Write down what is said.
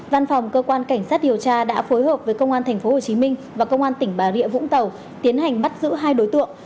văn phòng cơ quan cảnh sát điều tra đã phối hợp với công an tp hcm và công an tỉnh bà rịa vũng tàu tiến hành bắt giữ hai đối tượng